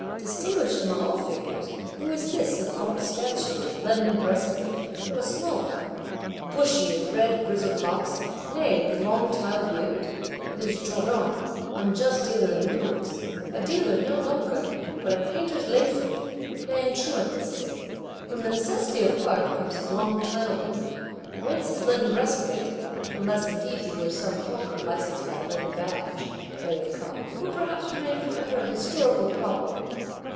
Distinguished among all figures, who is this, of gaunt stature, with leaden breastplate, though a small one; bushy in red grizzled locks; nay, with long tile beard? It is Jourdan, unjust dealer in mules; a dealer no longer, but a Painter's Layfigure, playing truant this day. From the necessities of Art comes his long tile beard; whence his leaden breastplate (unless indeed he were some Hawker licensed by leaden badge) may have come,—will perhaps remain for ever a Historical Problem.